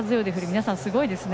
皆さん、すごいですね。